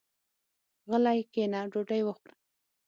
غلی کېنه ډوډۍ وخوره.